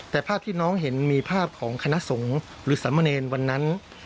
แต่ภาพที่น้องเห็นมีภาพของคณะสงฆ์หรือสามเณรวันนั้น